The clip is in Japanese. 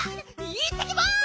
いってきます！